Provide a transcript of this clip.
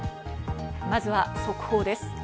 まずは速報です。